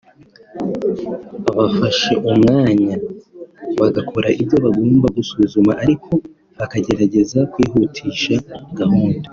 bafashe umwanya bagakora ibyo bagomba gusuzuma ariko bakageragaza kwihutisha gahunda